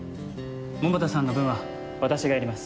桃田さんの分は私がやります。